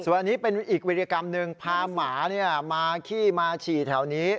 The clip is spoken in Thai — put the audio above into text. อันนี้เป็นอีกวิธีกรรมหนึ่งพาหมามาขี้มาฉี่แถวนี้